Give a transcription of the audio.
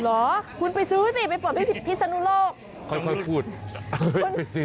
หรอคุณไปซื้อสิไปเปิดที่พิษนุโลก